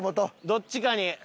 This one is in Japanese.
どっちかに。